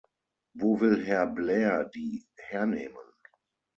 Wo will Herr Blair die hernehmen?